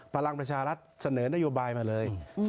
พลังประชารัฐเสนอนโยบายมาเลย